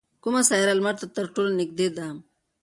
کومه سیاره لمر ته تر ټولو نږدې ده؟